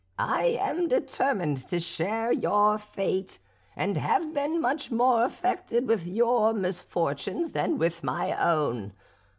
I am determined to share your fate, and have been much more affected with your misfortunes than with my own.